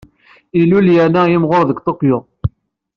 Ilul yerna yemɣuṛ deg Tokyo.